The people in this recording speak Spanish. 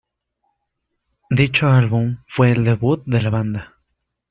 Dicho álbum fue el debut de la banda.